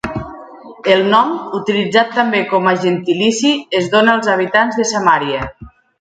El nom, utilitzat també com a gentilici, es dóna als habitants de Samaria.